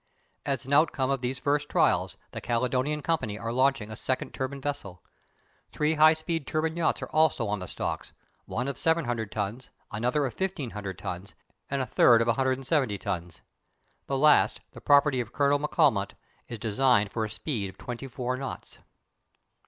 As an outcome of these first trials the Caledonian Company are launching a second turbine vessel. Three high speed turbine yachts are also on the stocks; one of 700 tons, another of 1500 tons, and a third of 170 tons. The last, the property of Colonel M'Calmont, is designed for a speed of twenty four knots.